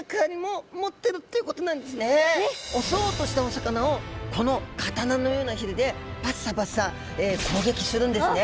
襲おうとしたお魚をこの刀のようなひげでバッサバッサ攻撃するんですね